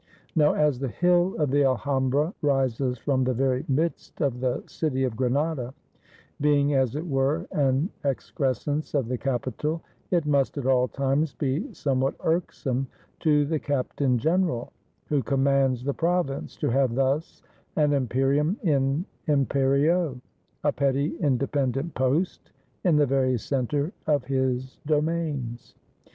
Now as the hill of the Alhambra rises from the very midst of the city of Granada, being, as it were, an excrescence of the capital, it must at all times be somewhat irksome to the captain general, who commands the province, to have thus an imperium in imperio, a petty independent post in the very center of his domains.